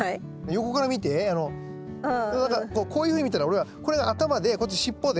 横から見てこういうふうに見たら俺はこれが頭でこっち尻尾で。